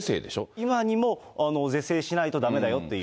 今にも是正しないとだめだよという。